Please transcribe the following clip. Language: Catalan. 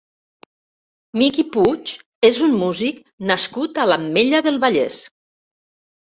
Miqui Puig és un músic nascut a l'Ametlla del Vallès.